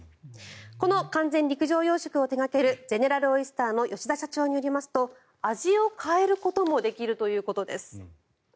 この完全陸上養殖を手掛けるゼネラル・オイスターの吉田社長によりますと味を変えることもできるということです。